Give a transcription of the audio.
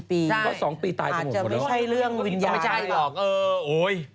ใช่ก็๒ปีตายก็หมดแล้วไม่ใช่หรอกเออโอ๊ย